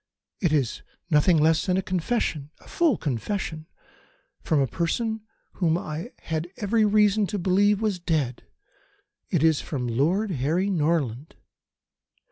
It is nothing less than a confession a full confession from a person whom I had every reason to believe was dead. It is from Lord Harry Norland."